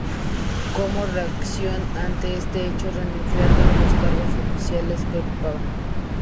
Como reacción ante este hecho renunció a todos los cargos oficiales que ocupaba.